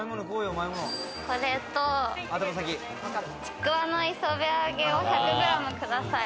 これとちくわの磯辺揚げを１００ｇください。